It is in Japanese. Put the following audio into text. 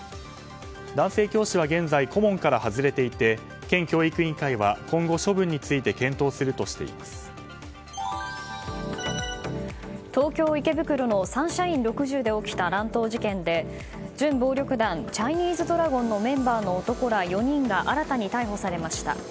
男性教師は現在顧問から外れていて県教育委員会は今後処分について東京・池袋のサンシャイン６０で起きた乱闘事件で準暴力団チャイニーズドラゴンのメンバーの男ら４人が新たに逮捕されました。